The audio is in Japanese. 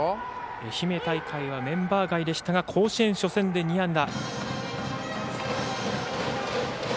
愛媛大会はメンバー外でしたが甲子園初戦で２安打。